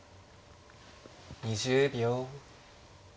２０秒。